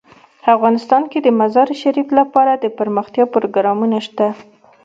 افغانستان کې د مزارشریف لپاره دپرمختیا پروګرامونه شته.